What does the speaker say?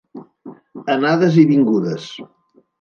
Anades i vingudes.